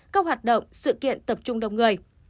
các hoạt động sự kiện tập trung đông người